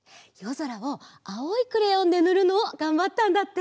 ぞらをあおいクレヨンでぬるのをがんばったんだって。